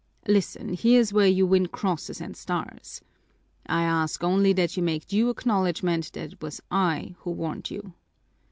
Listen, here's where you win crosses and stars. I ask only that you make due acknowledgment that it was I who warned you."